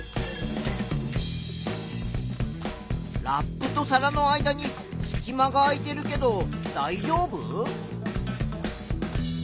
ラップと皿の間にすき間が空いているけどだいじょうぶ？